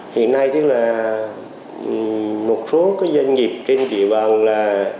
hiện nay thì là một số doanh nghiệp trên trị bằng là